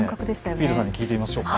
ピーターさんに聞いてみましょうか。